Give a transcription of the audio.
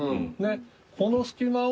この隙間を。